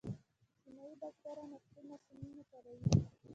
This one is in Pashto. چینايي بزګران عصري ماشینونه کاروي.